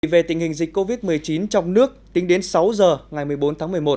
về tình hình dịch covid một mươi chín trong nước tính đến sáu giờ ngày một mươi bốn tháng một mươi một